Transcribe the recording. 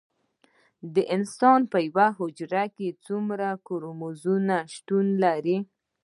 د انسان په یوه حجره کې څو کروموزومونه شتون لري